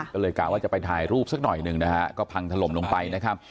ก็เลยกะว่าจะไปถ่ายรูปสักหน่อยหนึ่งนะฮะก็พังถล่มลงไปนะครับ